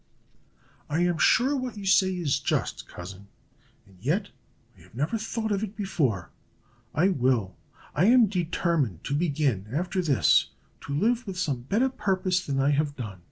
"I am sure what you say is just, cousin, and yet I have never thought of it before. I will I am determined to begin, after this, to live with some better purpose than I have done."